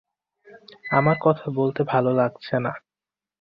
আমার কথা বলতে ভালো লাগছে না।